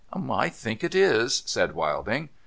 ' I think it is,' said Wilding.